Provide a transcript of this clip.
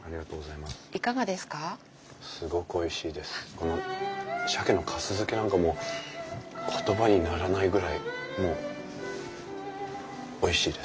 この鮭のかす漬けなんかもう言葉にならないぐらいもうおいしいです。